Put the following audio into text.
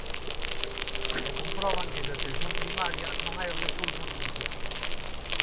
E comproban que en atención primaria non hai recursos suficientes.